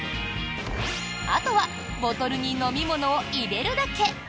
あとはボトルに飲み物を入れるだけ。